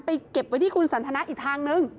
เก็บไว้ที่คุณสันทนาอีกทางนึง